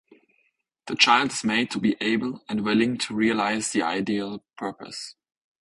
The child is made to be able and willing to realize the ideal purposes.